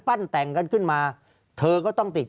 ภารกิจสรรค์ภารกิจสรรค์